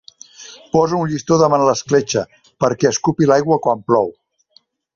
Posa un llistó davant l'escletxa perquè escupi l'aigua quan plou.